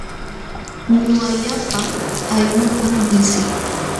Ñuqa llapa aylluutam liqsii.